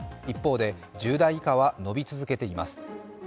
一方で１０代以下は伸び続けています。